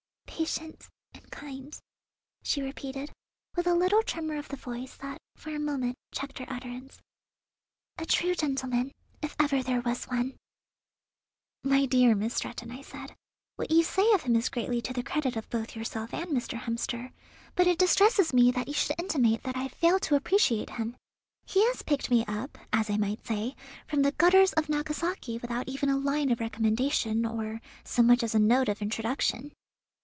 Patient and kind," she repeated, with a little tremor of the voice that for a moment checked her utterance, "a true gentleman, if ever there was one." "My dear Miss Stretton," I said, "what you say of him is greatly to the credit of both yourself and Mr. Hemster; but it distresses me that you should intimate that I have failed to appreciate him. He has picked me up, as I might say, from the gutters of Nagasaki without even a line of recommendation or so much as a note of introduction."